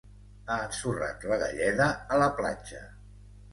Ha ensorrat la galleda a la platja.